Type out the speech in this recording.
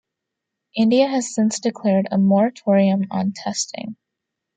India has since declared a moratorium on testing.